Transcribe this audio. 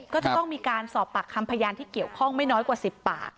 ก็จะต้องมีการสอบปากคำพยานที่เกี่ยวข้องไม่น้อยกว่า๑๐ปาก